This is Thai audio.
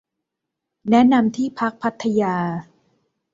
แนะนำที่พักพัทยา